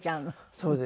そうです。